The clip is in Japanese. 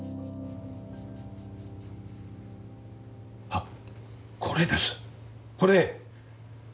あっこれですこれ！